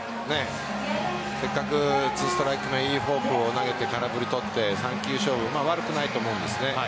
せっかく２ストライク目いいフォークを投げて空振り取って３球勝負、悪くないと思うんです。